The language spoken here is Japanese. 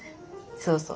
そうそう。